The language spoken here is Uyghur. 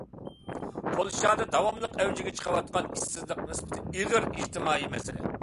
پولشادا داۋاملىق ئەۋجىگە چىقىۋاتقان ئىشسىزلىق نىسبىتى ئېغىر ئىجتىمائىي مەسىلە.